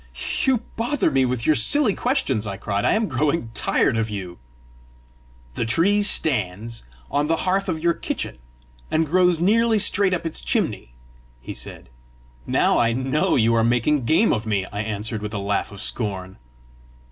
"You bother me with your silly questions!" I cried. "I am growing tired of you!" "That tree stands on the hearth of your kitchen, and grows nearly straight up its chimney," he said. "Now I KNOW you are making game of me!" I answered, with a laugh of scorn.